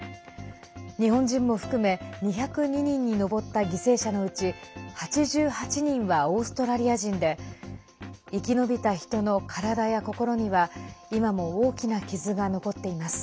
日本人も含め２０２人に上った犠牲者のうち８８人はオーストラリア人で生き延びた人の体や心には今も大きな傷が残っています。